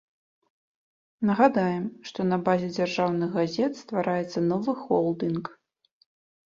Нагадаем, што на базе дзяржаўных газет ствараецца новы холдынг.